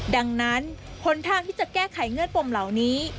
ดังนั้นผลทางที่จะแก้ไขเงื่อนปมเหล่านี้